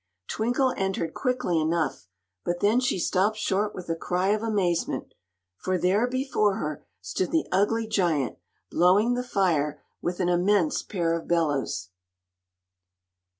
Twinkle entered quickly enough, but then she stopped short with a cry of amazement; for there before her stood the ugly giant, blowing the fire with an immense pair of bellows.